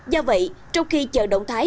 do vậy trong khi chờ động thái